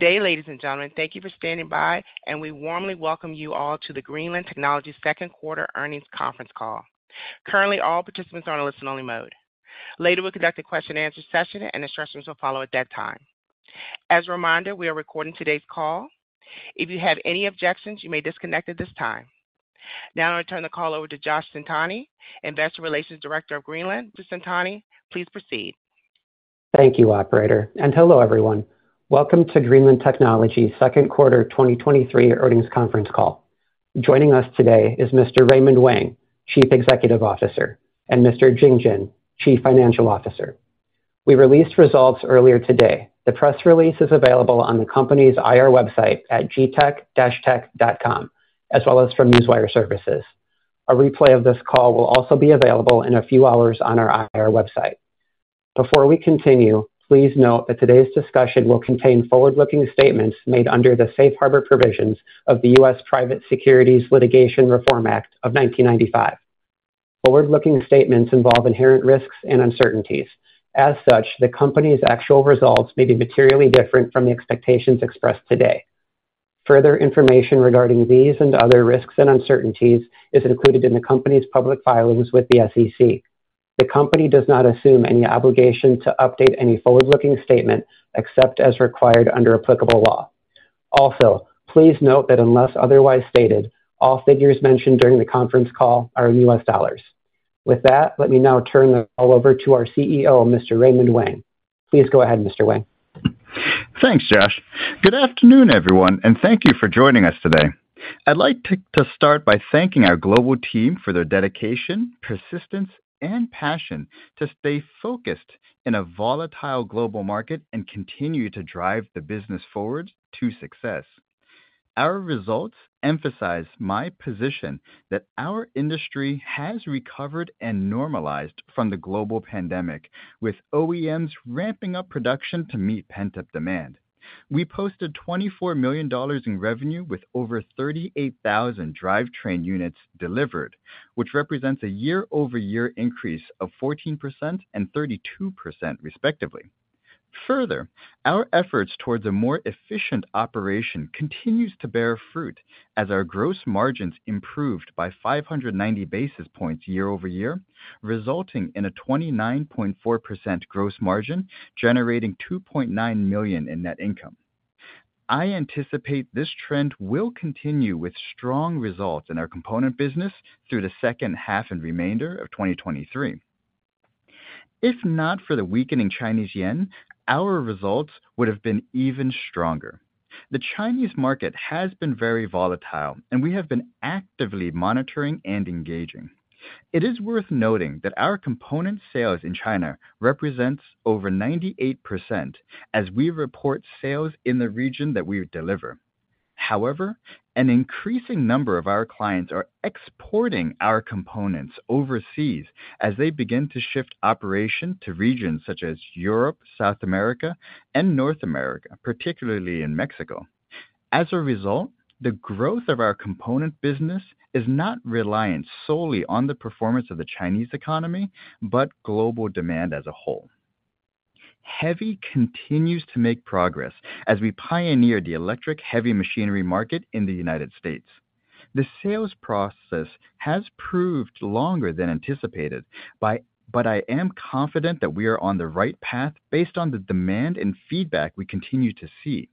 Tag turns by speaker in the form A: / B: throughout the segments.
A: Good day, ladies and gentlemen. Thank you for standing by, and we warmly welcome you all to the Greenland Technologies second quarter earnings conference call. Currently, all participants are in a listen-only mode. Later, we'll conduct a question-and-answer session, and instructions will follow at that time. As a reminder, we are recording today's call. If you have any objections, you may disconnect at this time. Now, I turn the call over to Josh Centanni, Investor Relations Director of Greenland Technologies. Mr. Centanni, please proceed.
B: Thank you, operator. Hello everyone. Welcome to Greenland Technologies second quarter 2023 earnings conference call. Joining us today is Mr. Raymond Wang, Chief Executive Officer, and Mr. Jing Jin, Chief Financial Officer. We released results earlier today. The press release is available on the company's IR website at gtec-tech.com, as well as from Newswire Services. A replay of this call will also be available in a few hours on our IR website. Before we continue, please note that today's discussion will contain forward-looking statements made under the Safe Harbor Provisions of the U.S. Private Securities Litigation Reform Act of 1995. Forward-looking statements involve inherent risks and uncertainties. As such, the company's actual results may be materially different from the expectations expressed today. Further information regarding these and other risks and uncertainties is included in the company's public filings with the SEC. The company does not assume any obligation to update any forward-looking statement except as required under applicable law. Also, please note that unless otherwise stated, all figures mentioned during the conference call are in US dollars. With that, let me now turn the call over to our CEO, Mr. Raymond Wang. Please go ahead, Mr. Wang.
C: Thanks, Josh. Good afternoon, everyone, and thank you for joining us today. I'd like to start by thanking our global team for their dedication, persistence, and passion to stay focused in a volatile global market and continue to drive the business forward to success. Our results emphasize my position that our industry has recovered and normalized from the global pandemic, with OEMs ramping up production to meet pent-up demand. We posted $24 million in revenue with over 38,000 drivetrain units delivered, which represents a year-over-year increase of 14% and 32%, respectively. Further, our efforts towards a more efficient operation continues to bear fruit as our gross margins improved by 590 basis points year over year, resulting in a 29.4% gross margin, generating $2.9 million in net income. I anticipate this trend will continue with strong results in our component business through the second half and remainder of 2023. If not for the weakening Chinese Yuan, our results would have been even stronger. The Chinese market has been very volatile, and we have been actively monitoring and engaging. It is worth noting that our component sales in China represents over 98% as we report sales in the region that we deliver. However, an increasing number of our clients are exporting our components overseas as they begin to shift operation to regions such as Europe, South America, and North America, particularly in Mexico. As a result, the growth of our component business is not reliant solely on the performance of the Chinese economy, but global demand as a whole. HEVI continues to make progress as we pioneer the electric heavy machinery market in the United States. The sales process has proved longer than anticipated, but I am confident that we are on the right path based on the demand and feedback we continue to see.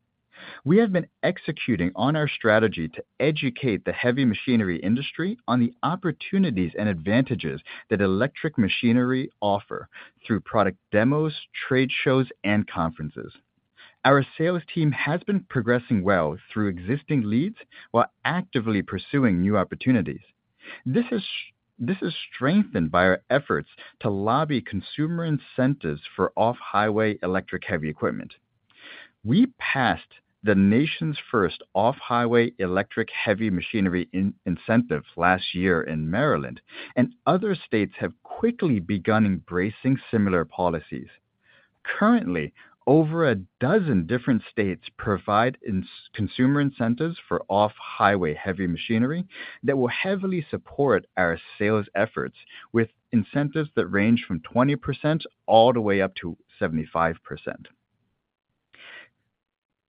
C: We have been executing on our strategy to educate the heavy machinery industry on the opportunities and advantages that electric machinery offer through product demos, trade shows, and conferences. Our sales team has been progressing well through existing leads while actively pursuing new opportunities. This is strengthened by our efforts to lobby consumer incentives for off-highway electric heavy equipment. We passed the nation's first off-highway electric heavy machinery incentives last year in Maryland. Other states have quickly begun embracing similar policies. Currently, over a dozen different states provide consumer incentives for off-highway heavy machinery that will heavily support our sales efforts, with incentives that range from 20% all the way up to 75%.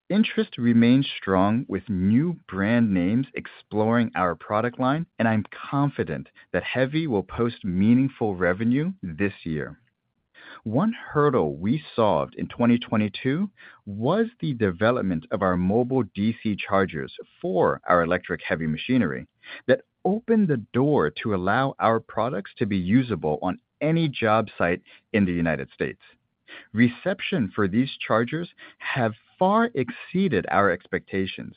C: Interest remains strong with new brand names exploring our product line, and I'm confident that HEVI will post meaningful revenue this year. One hurdle we solved in 2022 was the development of our mobile DC chargers for our electric-heavy machinery that opened the door to allow our products to be usable on any job site in the United States. Reception for these chargers have far exceeded our expectations,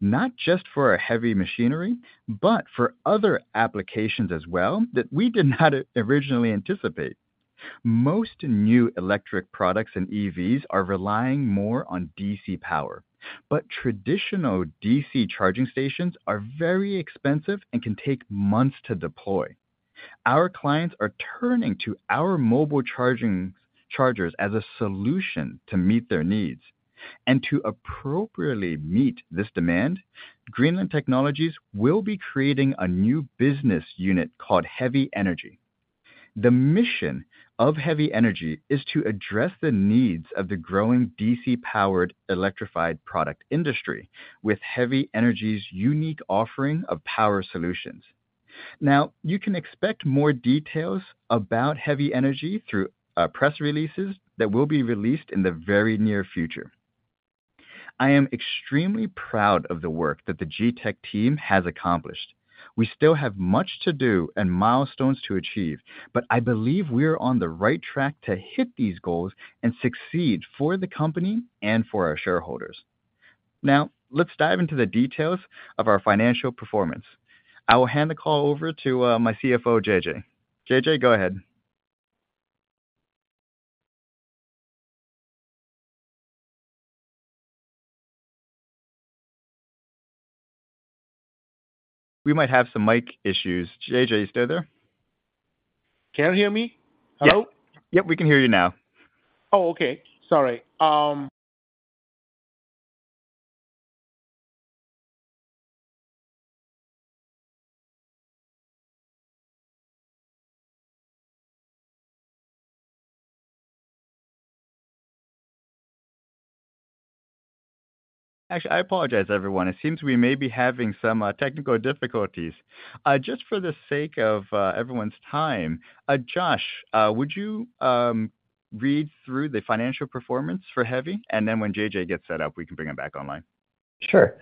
C: not just for our heavy machinery, but for other applications as well that we did not originally anticipate. Most new electric products and EVs are relying more on DC power, but traditional DC charging stations are very expensive and can take months to deploy. Our clients are turning to our mobile charging, chargers as a solution to meet their needs, and to appropriately meet this demand, Greenland Technologies will be creating a new business unit called HEVI Energy. The mission of HEVI Energy is to address the needs of the growing DC-powered electrified product industry with HEVI Energy's unique offering of power solutions. You can expect more details about HEVI Energy through press releases that will be released in the very near future. I am extremely proud of the work that the GTEC team has accomplished. We still have much to do and milestones to achieve, but I believe we're on the right track to hit these goals and succeed for the company and for our shareholders. Let's dive into the details of our financial performance. I will hand the call over to my CFO, JJ. JJ, go ahead. We might have some mic issues. JJ, are you still there?
D: Can you hear me? Hello?
C: Yep. Yep, we can hear you now.
D: Oh, okay. Sorry.
C: Actually, I apologize, everyone. It seems we may be having some technical difficulties. Just for the sake of everyone's time, Josh, would you read through the financial performance for HEVI? Then when JJ gets set up, we can bring him back online.
B: Sure.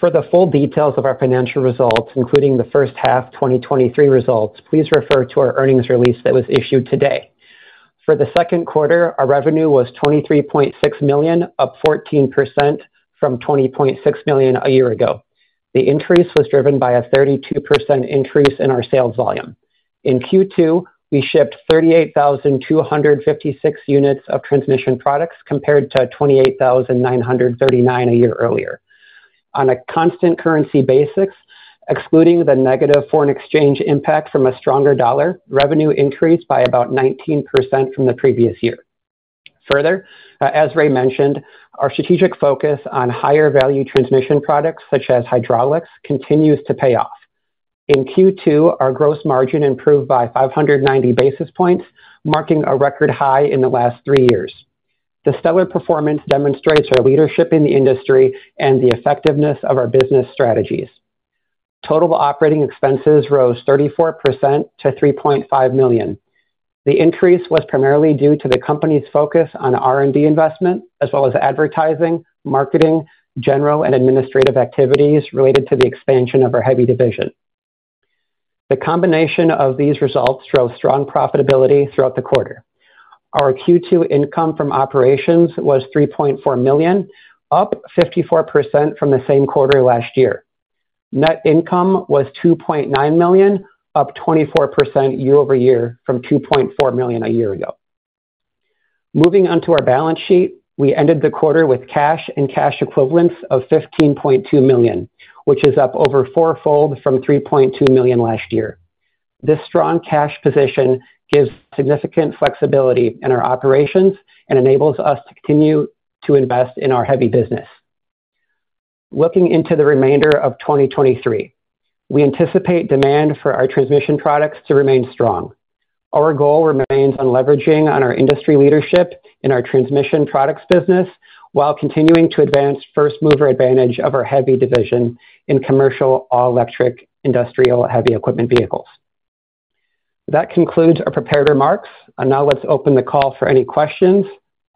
B: For the full details of our financial results, including the first half 2023 results, please refer to our earnings release that was issued today. For the second quarter, our revenue was $23.6 million, up 14% from $20.6 million a year ago. The increase was driven by a 32% increase in our sales volume. In Q2, we shipped 38,256 units of transmission products, compared to 28,939 a year earlier. On a constant currency basis, excluding the negative foreign exchange impact from a stronger dollar, revenue increased by about 19% from the previous year. Further, as Ray mentioned, our strategic focus on higher value transmission products, such as hydraulics, continues to pay off. In Q2, our gross margin improved by 590 basis points, marking a record high in the last three years. The stellar performance demonstrates our leadership in the industry and the effectiveness of our business strategies. Total operating expenses rose 34% to $3.5 million. The increase was primarily due to the company's focus on R&D investment, as well as advertising, marketing, general and administrative activities related to the expansion of our HEVI division. The combination of these results drove strong profitability throughout the quarter. Our Q2 income from operations was $3.4 million, up 54% from the same quarter last year. Net income was $2.9 million, up 24% year-over-year from $2.4 million a year ago. Moving on to our balance sheet, we ended the quarter with cash and cash equivalents of $15.2 million, which is up over fourfold from $3.2 million last year. This strong cash position gives significant flexibility in our operations and enables us to continue to invest in our HEVI division. Looking into the remainder of 2023, we anticipate demand for our transmission products to remain strong. Our goal remains on leveraging on our industry leadership in our transmission products business, while continuing to advance first mover advantage of our HEVI division in commercial, all-electric, industrial heavy equipment vehicles. That concludes our prepared remarks. Now let's open the call for any questions.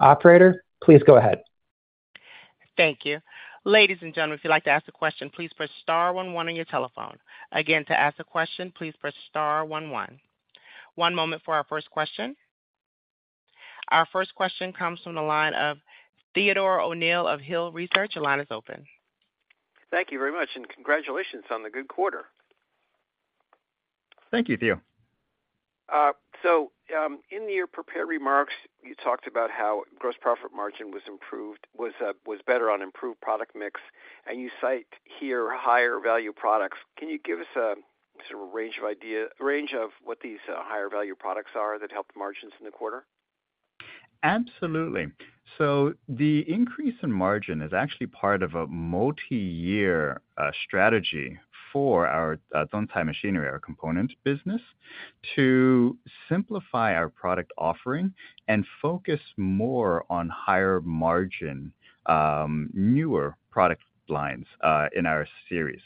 B: Operator, please go ahead.
A: Thank you. Ladies and gentlemen, if you'd like to ask a question, please press star one one on your telephone. Again, to ask a question, please press star one one. One moment for our first question. Our first question comes from the line of Theodore O'Neill of Hill Research. Your line is open.
E: Thank you very much, and congratulations on the good quarter.
C: Thank you, Theo.
E: In your prepared remarks, you talked about how gross profit margin was better on improved product mix, and you cite here higher value products. Can you give us a sort of range of what these higher value products are that helped margins in the quarter?
C: Absolutely. The increase in margin is actually part of a multi-year strategy for our Zhongchai Machinery, our components business, to simplify our product offering and focus more on higher margin, newer product lines in our series.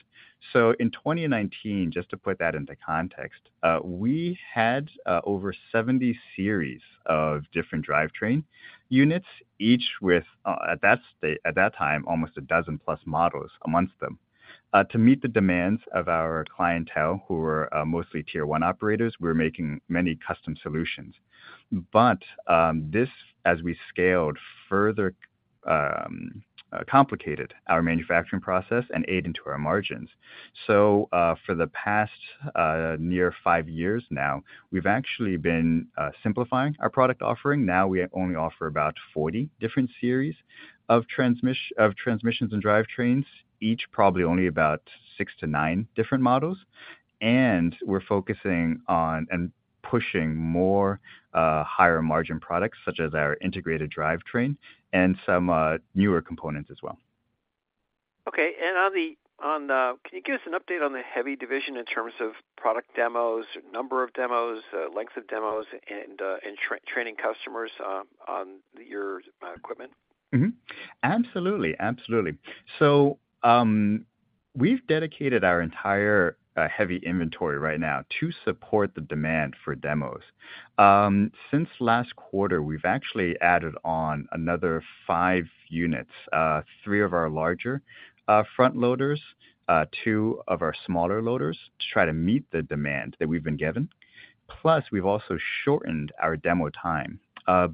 C: In 2019, just to put that into context, we had over 70 series of different drivetrain units, each with at that time, almost a dozen plus models amongst them. To meet the demands of our clientele, who were mostly Tier 1 operators, we were making many custom solutions. This, as we scaled, further complicated our manufacturing process and ate into our margins. For the past near five years now, we've actually been simplifying our product offering. Now, we only offer about 40 different series of transmissions and drivetrains, each probably only about six to nine different models. We're focusing on and pushing more higher margin products, such as our integrated drivetrain and some newer components as well.
E: Okay, and on the, on, can you give us an update on the HEVI division in terms of product demos, number of demos, length of demos, and, and training customers, on your equipment?
C: Absolutely. Absolutely. We've dedicated our entire HEVI inventory right now to support the demand for demos. Since last quarter, we've actually added on another five units, three of our larger front loaders, two of our smaller loaders, to try to meet the demand that we've been given. We've also shortened our demo time.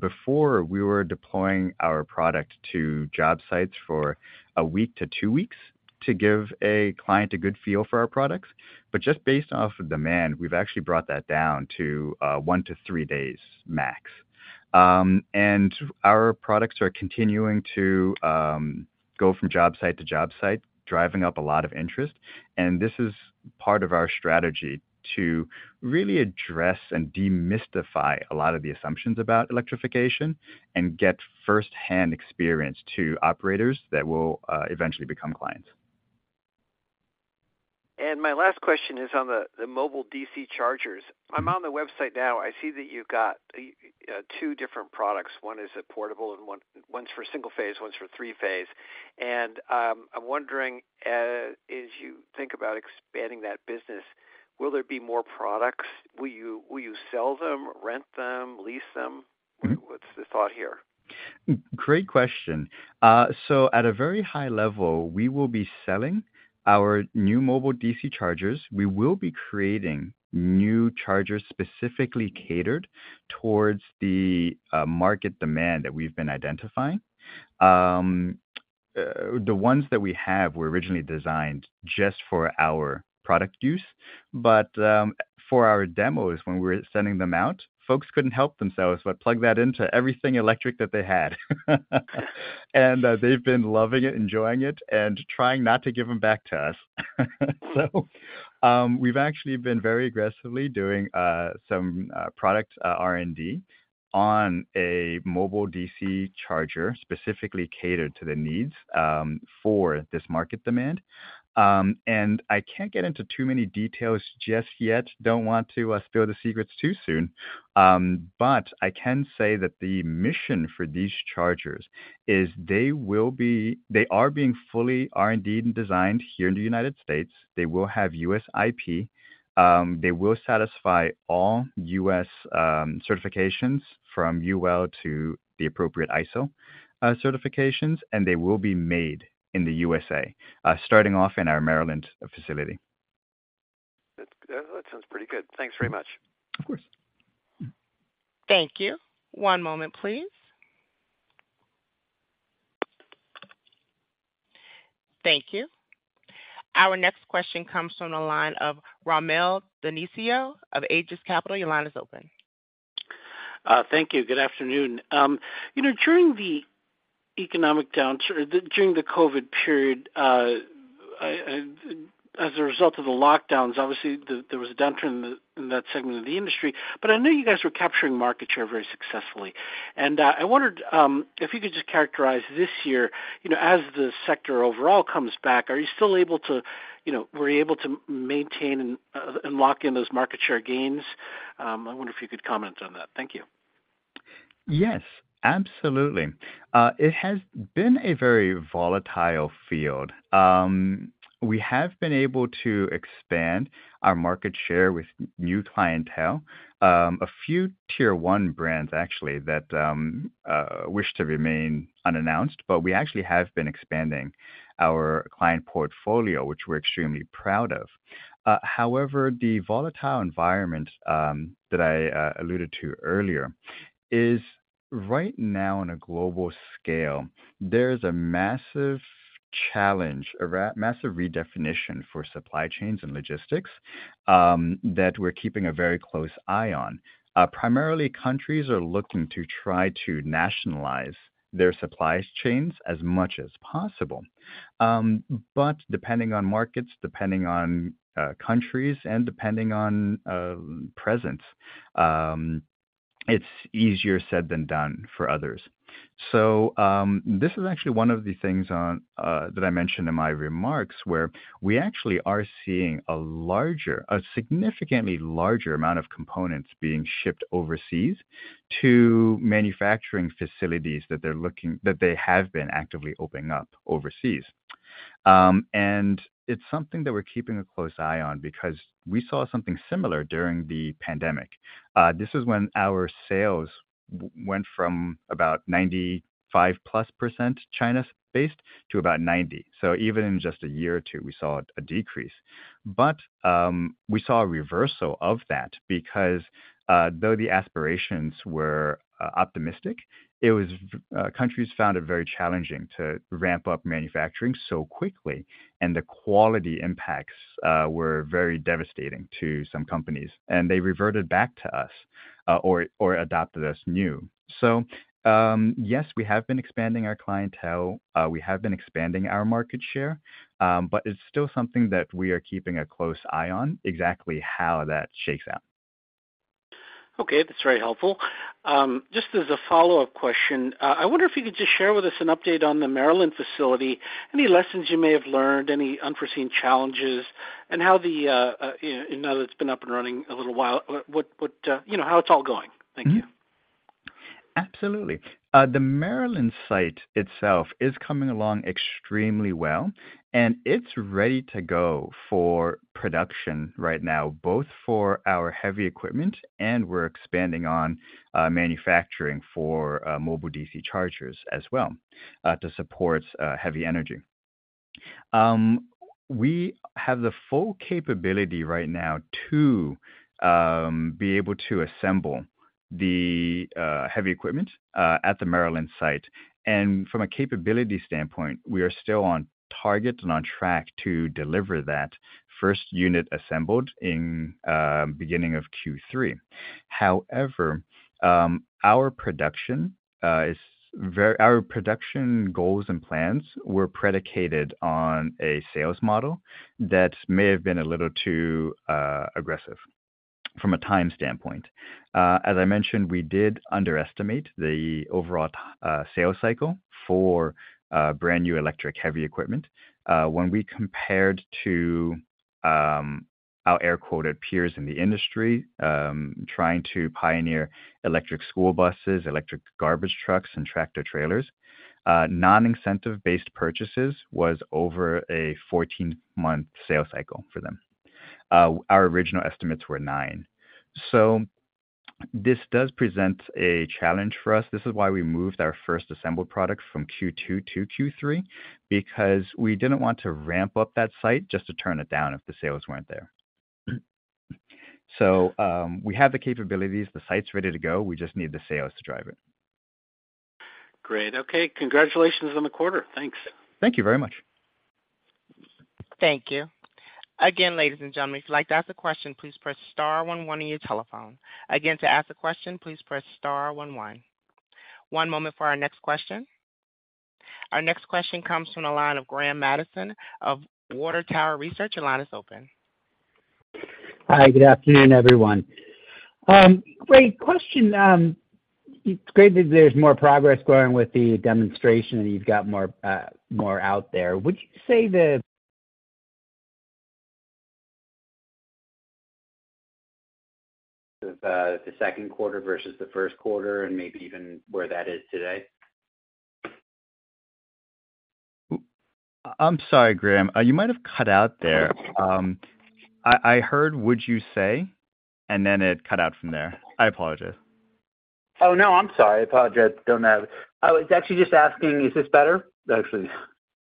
C: Before we were deploying our product to job sites for a week to two weeks to give a client a good feel for our products, but just based off of demand, we've actually brought that down to one to three days, max. Our products are continuing to go from job site to job site, driving up a lot of interest, and this is part of our strategy to really address and demystify a lot of the assumptions about electrification, and get first-hand experience to operators that will eventually become clients.
E: My last question is on the, the mobile DC chargers. I'm on the website now. I see that you've got two different products. One is a portable and one's for single-phase, one's for three-phase, and I'm wondering as you think about expanding that business, will there be more products? Will you sell them, rent them, lease them?
C: Mm-hmm.
E: What's the thought here?
C: Great question. So at a very high level, we will be selling our new mobile DC chargers. We will be creating new chargers, specifically catered towards the market demand that we've been identifying. The ones that we have were originally designed just for our product use, but for our demos, when we're sending them out, folks couldn't help themselves but plug that into everything electric that they had. They've been loving it, enjoying it, and trying not to give them back to us. We've actually been very aggressively doing some product R&D on a mobile DC charger, specifically catered to the needs for this market demand. I can't get into too many details just yet. Don't want to spill the secrets too soon, but I can say that the mission for these chargers is they will be... They are being fully R&D'd and designed here in the United States. They will have U.S. IP. They will satisfy all U.S. certifications from UL to the appropriate ISO certifications, and they will be made in the USA, starting off in our Maryland facility.
E: That, that sounds pretty good. Thanks very much.
C: Of course. Mm-hmm.
A: Thank you. One moment, please. Thank you. Our next question comes from the line of Rommel Dionisio of Aegis Capital. Your line is open.
F: Thank you. Good afternoon. You know, during the economic downturn, during the COVID period, as a result of the lockdowns, obviously, there was a downturn in that segment of the industry, but I know you guys were capturing market share very successfully, and I wondered if you could just characterize this year, you know, as the sector overall comes back, are you still able to, you know, were you able to maintain and lock in those market share gains? I wonder if you could comment on that. Thank you.
C: Yes, absolutely. It has been a very volatile field. We have been able to expand our market share with new clientele, a few Tier 1 brands, actually, that wish to remain unannounced, but we actually have been expanding our client portfolio, which we're extremely proud of. However, the volatile environment that I alluded to earlier, is right now on a global scale, there is a massive challenge, a massive redefinition for supply chains and logistics, that we're keeping a very close eye on. Primarily, countries are looking to try to nationalize their supplies chains as much as possible, but depending on markets, depending on countries, and depending on presence, it's easier said than done for others. This is actually one of the things on that I mentioned in my remarks, where we actually are seeing a larger, a significantly larger amount of components being shipped overseas to manufacturing facilities that they have been actively opening up overseas. It's something that we're keeping a close eye on because we saw something similar during the pandemic. This is when our sales went from about 95%+ China-based to about 90%. Even in just one or two years, we saw a decrease. We saw a reversal of that because though the aspirations were optimistic, countries found it very challenging to ramp up manufacturing so quickly, and the quality impacts were very devastating to some companies, and they reverted back to us or adopted us new. Yes, we have been expanding our clientele, we have been expanding our market share, but it's still something that we are keeping a close eye on, exactly how that shakes out.
F: Okay, that's very helpful. Just as a follow-up question, I wonder if you could just share with us an update on the Maryland facility. Any lessons you may have learned, any unforeseen challenges, and how the, you know, now that it's been up and running a little while, what, what, you know, how it's all going? Thank you.
C: Absolutely. The Maryland site itself is coming along extremely well, and it's ready to go for production right now, both for our heavy equipment and we're expanding on manufacturing for mobile DC chargers as well, to support HEVI Energy. We have the full capability right now to be able to assemble the heavy equipment at the Maryland site, and from a capability standpoint, we are still on target and on track to deliver that first unit assembled in beginning of Q3. However, our production goals and plans were predicated on a sales model that may have been a little too aggressive from a time standpoint. As I mentioned, we did underestimate the overall sales cycle for brand-new electric heavy equipment. When we compared to our air-quoted "peers in the industry," trying to pioneer electric school buses, electric garbage trucks, and tractor-trailers, non-incentive-based purchases was over a 14-month sales cycle for them. Our original estimates were nine. This does present a challenge for us. This is why we moved our first assembled product from Q2 to Q3, because we didn't want to ramp up that site just to turn it down if the sales weren't there. We have the capabilities, the site's ready to go, we just need the sales to drive it.
F: Great. Okay, congratulations on the quarter. Thanks.
C: Thank you very much.
A: Thank you. Again, ladies and gentlemen, if you'd like to ask a question, please press star one one on your telephone. Again, to ask a question, please press star one one. One moment for our next question. Our next question comes from the line of Graham Mattison of Water Tower Research. Your line is open.
G: Hi, good afternoon, everyone. great question. It's great that there's more progress going with the demonstration, and you've got more, more out there. Would you say the, the second quarter versus the first quarter, and maybe even where that is today?
C: I'm sorry, Graham, you might have cut out there. I, I heard, would you say... and then it cut out from there. I apologize.
G: Oh, no, I'm sorry. Apologize. Don't know. I was actually just asking, is this better? Actually.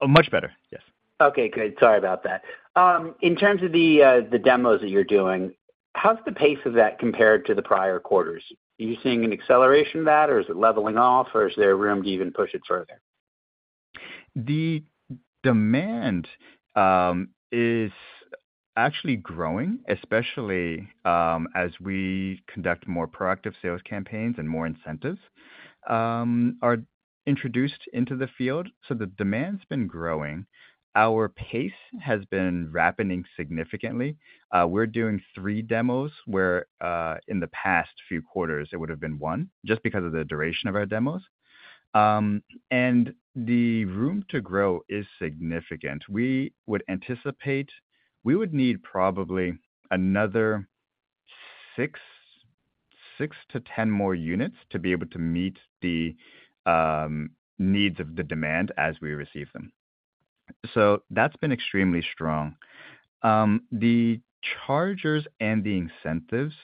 C: Oh, much better. Yes.
G: Okay, good. Sorry about that. In terms of the demos that you're doing, how's the pace of that compared to the prior quarters? Are you seeing an acceleration of that, or is it leveling off, or is there room to even push it further?
C: The demand is actually growing, especially as we conduct more proactive sales campaigns and more incentives are introduced into the field. The demand's been growing. Our pace has been rapidening significantly. We're doing three demos, where in the past few quarters it would have been one, just because of the duration of our demos. The room to grow is significant. We would anticipate we would need probably another six to 10 more units to be able to meet the needs of the demand as we receive them. That's been extremely strong. The chargers and the incentives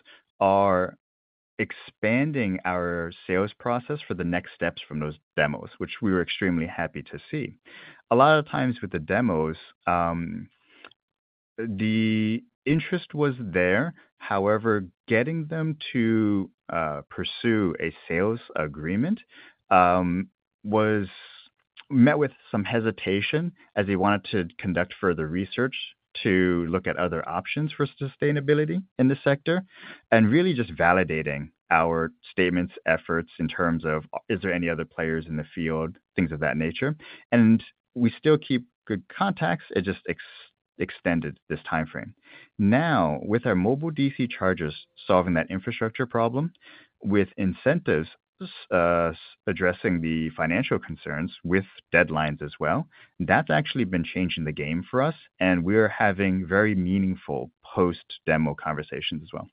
C: are expanding our sales process for the next steps from those demos, which we were extremely happy to see. A lot of times with the demos, the interest was there. However, getting them to pursue a sales agreement was met with some hesitation as they wanted to conduct further research to look at other options for sustainability in the sector, and really just validating our statements, efforts in terms of, is there any other players in the field, things of that nature. We still keep good contacts, it just extended this timeframe. Now, with our mobile DC chargers solving that infrastructure problem, with incentives addressing the financial concerns with deadlines as well, that's actually been changing the game for us, and we're having very meaningful post-demo conversations as well.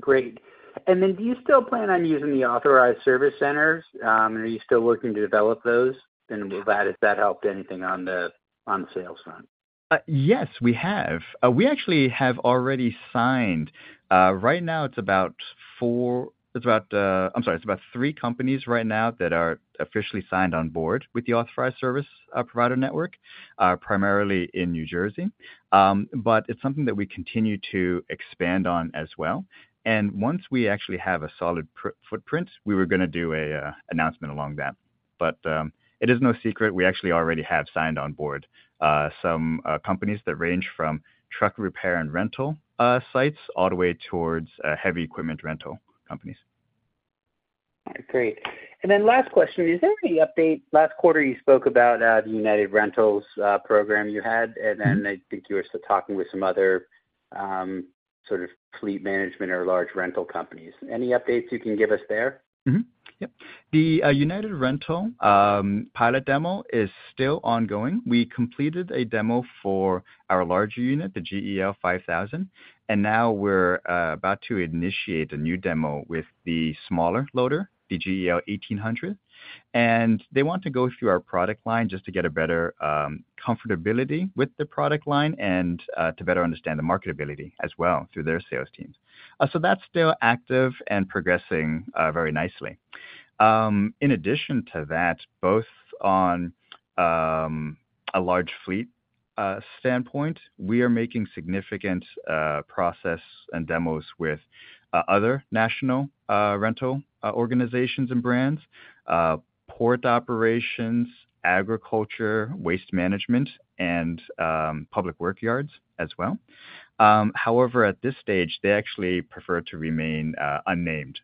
G: Great. Do you still plan on using the authorized service centers? Are you still working to develop those, and if that, has that helped anything on the, on the sales front?
C: Yes, we have. We actually have already signed, right now it's about three companies right now that are officially signed on board with the authorized service provider network, primarily in New Jersey. It's something that we continue to expand on as well, and once we actually have a solid footprint, we were gonna do a announcement along that. It is no secret, we actually already have signed on board some companies that range from truck repair and rental sites all the way towards heavy equipment rental companies.
G: Great. Last question, is there any update? Last quarter, you spoke about the United Rentals program you had, and then I think you were still talking with some other sort of fleet management or large rental companies. Any updates you can give us there?
C: Mm-hmm. Yep. The United Rentals pilot demo is still ongoing. We completed a demo for our larger unit, the GEL-5000, and now we're about to initiate a new demo with the smaller loader, the GEL-1800. They want to go through our product line just to get a better comfortability with the product line and to better understand the marketability as well through their sales teams. That's still active and progressing very nicely. In addition to that, both on a large fleet standpoint, we are making significant process and demos with other national rental organizations and brands, port operations, agriculture, waste management, and public work yards as well. However, at this stage, they actually prefer to remain unnamed.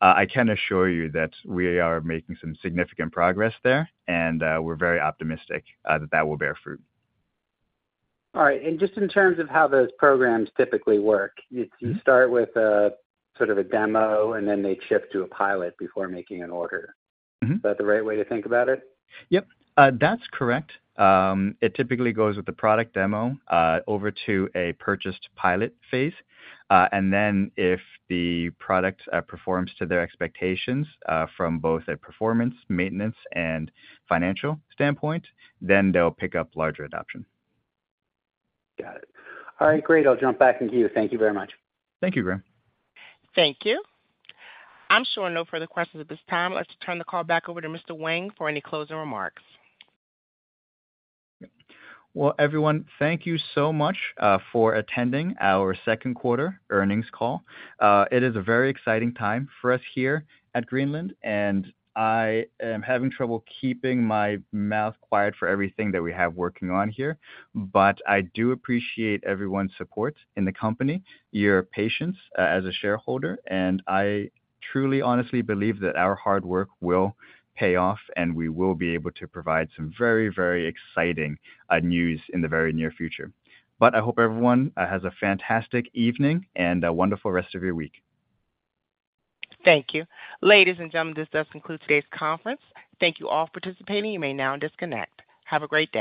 C: I can assure you that we are making some significant progress there, and we're very optimistic that that will bear fruit.
G: All right. just in terms of how those programs typically work...
C: Mm-hmm.
G: You, you start with a, sort of a demo, and then they shift to a pilot before making an order.
C: Mm-hmm.
G: Is that the right way to think about it?
C: Yep. That's correct. It typically goes with the product demo, over to a purchased pilot phase. Then, if the product performs to their expectations, from both a performance, maintenance, and financial standpoint, then they'll pick up larger adoption.
G: Got it. All right, great. I'll jump back into you. Thank you very much.
C: Thank you, Graham.
A: Thank you. I'm showing no further questions at this time. Let's turn the call back over to Mr. Wang for any closing remarks.
C: Well, everyone, thank you so much for attending our second quarter earnings call. It is a very exciting time for us here at Greenland, and I am having trouble keeping my mouth quiet for everything that we have working on here. I do appreciate everyone's support in the company, your patience as a shareholder, and I truly, honestly believe that our hard work will pay off, and we will be able to provide some very, very exciting news in the very near future. I hope everyone has a fantastic evening and a wonderful rest of your week.
A: Thank you. Ladies and gentlemen, this does conclude today's conference. Thank you all for participating. You may now disconnect. Have a great day.